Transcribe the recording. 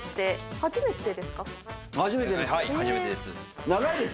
初めてです。